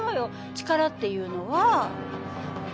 力っていうのは。